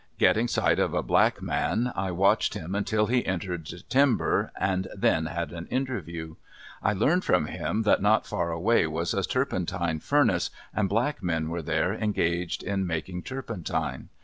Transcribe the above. Getting sight of a black man I watched him until he entered the timber and then had an interview. I learned from him that not far away was a turpentine furnace, and black men were there engaged in making turpentine.